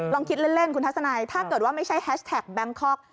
ลองคิดเล่นคุณทัศนัยถ้าเกิดว่าไม่ใช่แฮชแท็กแบงคอก